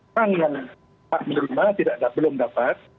yang yang tak menerima belum dapat